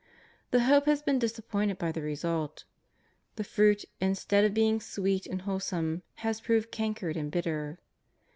The hope has been disappointed by the result. The fruit, instead of being sweet and whole some, has proved cankered and bitter.